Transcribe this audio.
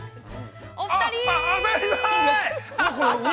お二人！